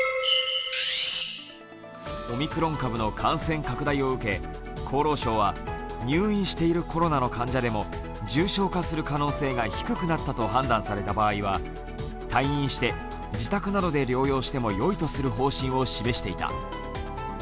オミクロン株の感染拡大を受け、厚労省は入院しているコロナの患者でも重症化する可能性が低くなったと判断された患者は退院して自宅などで療養してもよいとする方針を示していた。